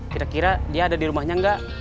kira kira dia ada di rumahnya enggak